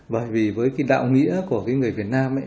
bởi vì với cái đạo nghĩa của cái người việt nam ấy